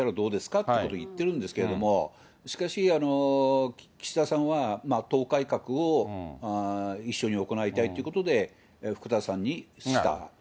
ってことを言ってるんですけども、しかし岸田さんは、党改革を一緒に行いたいということで、福田さんにした。